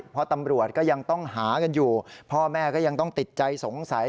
เพราะตำรวจก็ยังต้องหากันอยู่พ่อแม่ก็ยังต้องติดใจสงสัย